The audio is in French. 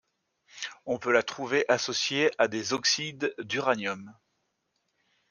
On peut la trouver associée à des oxydes d'uranium.